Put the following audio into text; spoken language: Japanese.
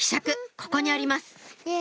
ここにあります